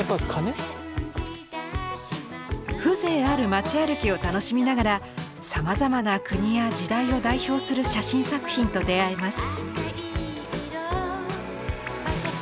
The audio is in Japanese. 風情ある町歩きを楽しみながらさまざまな国や時代を代表する写真作品と出会えます。